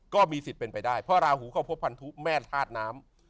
ก็มีสิทธิ์เป็นไปได้เพราะราหูเข้าพบพันธุแม่ธาตุน้ำ